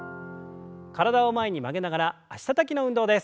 体を前に曲げながら脚たたきの運動です。